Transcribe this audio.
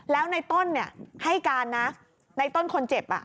แล้วในต้นให้การนะในต้นคนเจ็บ